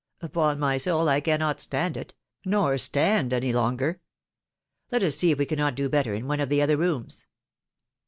Upon my soul I cannot stand it — nor stand any longer. Let us see if we cannot do better in one of the other rooms."